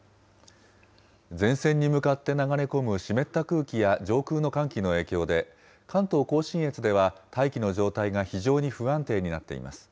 前線に向かって流れ込む湿った空気や上空の寒気の影響で、関東甲信越では大気の状態が非常に不安定になっています。